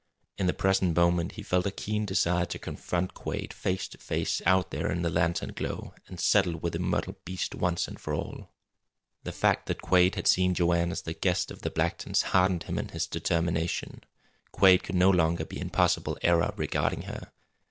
In the present moment he felt a keen desire to confront Quade face to face out there in the lantern glow, and settle with the mottled beast once for all. The fact that Quade had seen Joanne as the guest of the Blacktons hardened him in his determination. Quade could no longer be in possible error regarding her.